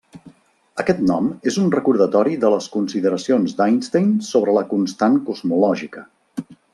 Aquest nom és un recordatori de les consideracions d'Einstein sobre la constant cosmològica.